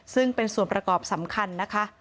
ซึ่งเป็นส่วนประกอบสำคัญนะคะ